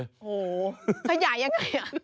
โอ้โหขยายยังไง